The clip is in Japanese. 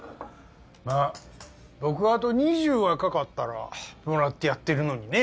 まあ僕あと２０若かったらもらってやってるのにね。